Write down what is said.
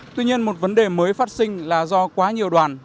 tuy nhiên một vấn đề mới phát sinh là do quá nhiều đoàn